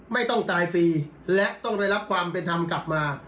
ไม่ต้องตายฟรีและต้องได้รับความเป็นธรรมกลับมา